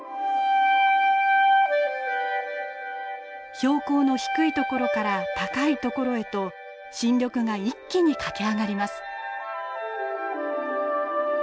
標高の低い所から高い所へと新緑が一気に駆け上がります。